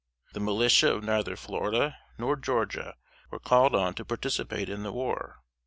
The militia of neither Florida nor Georgia were called on to participate in the war.